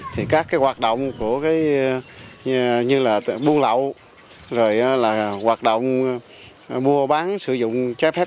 thì các hoạt động như buôn lậu hoạt động mua bán sử dụng trái phép